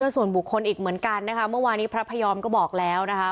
ส่วนบุคคลอีกเหมือนกันนะคะเมื่อวานี้พระพยอมก็บอกแล้วนะคะ